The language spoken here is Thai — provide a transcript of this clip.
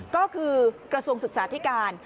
ก็คือกระทรวงศึกษาธิการ